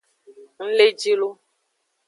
Ng le ji lo.